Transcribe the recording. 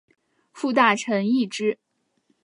副大臣贰之。